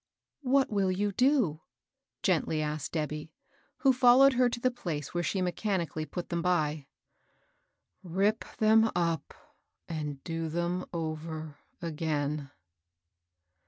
"What win you do?" gently asked Debby, who followed her to the place where she mechani cally put them by. " Rip them up, and do them over again."